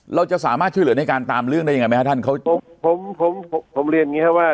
เราจะสามารถช่วยเหลือในการตามเรื่องได้ยังไงไหมฮะท่านเขาผมผมเรียนอย่างงี้ครับว่า